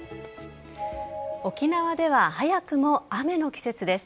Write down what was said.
沖縄では早くも雨の季節です。